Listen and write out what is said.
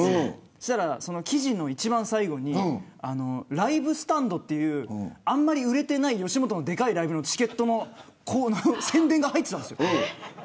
そしたら、その記事の一番最後にＬＩＶＥＳＴＡＮＤというあんまり売れていない吉本のでかいライブのチケットの宣伝が入ってたんですよ。